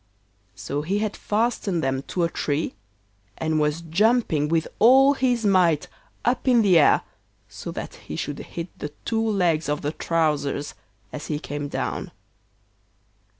So he had fastened them to a tree and was jumping with all his might up in the air so that he should hit the two legs of the trousers as he came down.